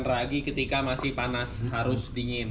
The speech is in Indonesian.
ragi ketika masih panas harus dingin